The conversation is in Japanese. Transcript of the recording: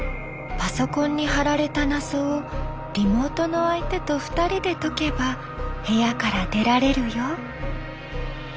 パソコンに貼られた謎をリモートの相手と２人で解けば部屋から出られるよ。